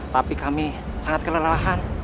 tapi kami sangat kelelahan